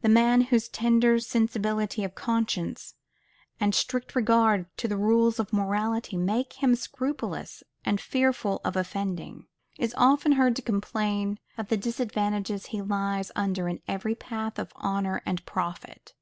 The man whose tender sensibility of conscience and strict regard to the rules of morality makes him scrupulous and fearful of offending, is often heard to complain of the disadvantages he lies under in every path of honor and profit.